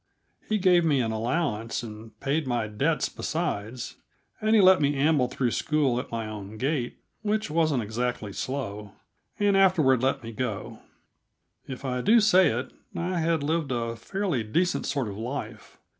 He gave me an allowance and paid my debts besides, and let me amble through school at my own gait which wasn't exactly slow and afterward let me go. If I do say it, I had lived a fairly decent sort of life.